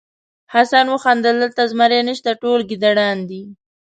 حسن وخندل دلته زمری نشته ټول ګیدړان دي.